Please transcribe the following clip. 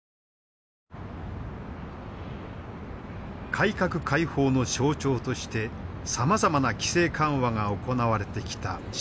改革開放の象徴としてさまざまな規制緩和が行われてきた深。